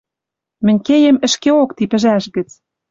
Мӹнь кеем ӹшкеок ти пӹжаш гӹц.